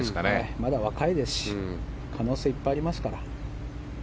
まだ若いですし可能性はいっぱいありますから。